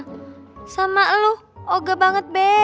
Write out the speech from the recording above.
laluh oga banget be